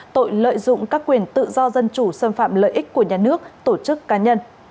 tội lợi dụng các quyền tự do dân chủ xâm phạm lợi ích của nhà nước tổ chức cá nhân